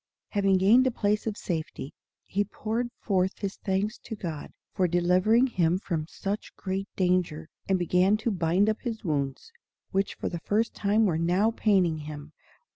Having gained a place of safety, he poured forth his thanks to God for delivering him from such great danger, and began to bind up his wounds, which for the first time were now paining him.